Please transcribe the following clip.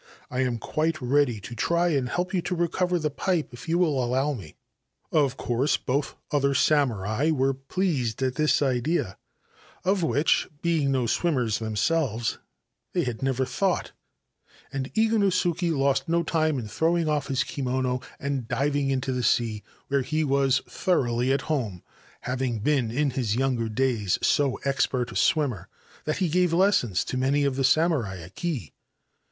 I am quite ready to try and help you to recover e pipe if you will allow me.' Of course, both the other samurai were pleased at this sa, of which, being no swimmers themselves, they had 147 Ancient Tales and Folklore of Japar never thought. And Iganosuke lost no time in throw off his kimono and diving into the sea, where he thoroughly at home, having been in his younger day: expert a swimmer that he gave lessons to many of samurai at Kii.